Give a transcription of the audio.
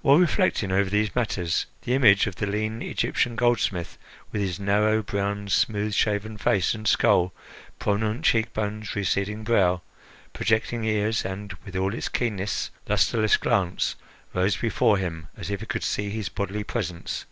While reflecting over these matters, the image of the lean Egyptian goldsmith, with his narrow, brown, smooth shaven face and skull, prominent cheek bones, receding brow, projecting ears and, with all its keenness, lustreless glance, rose before him as if he could see his bodily presence.